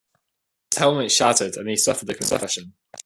His helmet shattered, and he suffered a concussion.